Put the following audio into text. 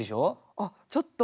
あっちょっとあの。